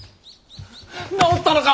治ったのか！